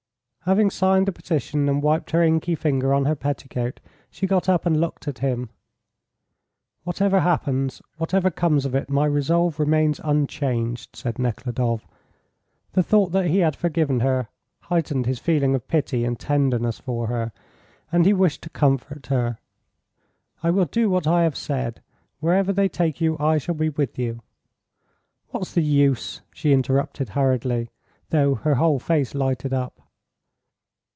Having signed the petition and wiped her inky finger on her petticoat, she got up and looked at him. "Whatever happens, whatever comes of it, my resolve remains unchanged," said Nekhludoff. The thought that he had forgiven her heightened his feeling of pity and tenderness for her, and he wished to comfort her. "I will do what I have said; wherever they take you I shall be with you." "What's the use?" she interrupted hurriedly, though her whole face lighted up.